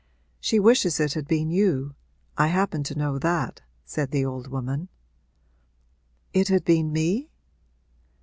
'She wishes it had been you I happen to know that,' said the old woman. 'It had been me?'